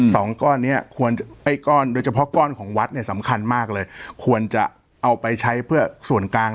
สองก้อนเนี้ยควรไอ้ก้อนโดยเฉพาะก้อนของวัดเนี่ยสำคัญมากเลยควรจะเอาไปใช้เพื่อส่วนกลาง